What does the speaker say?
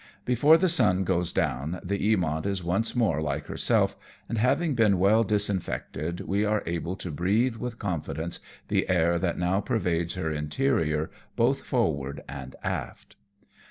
Before the sun goes down the Eamont is once more like herself, and, having been well disinfected, we are R 2 2i^/^ AMONG TYPHOONS AND PIRATE CRAFT. able to breathe with confidence the air that now pervades her interior, both forward and aft.